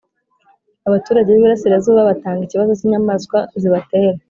Abaturage biburasirazuba batanga ikibazo cyinyamanswa zibatera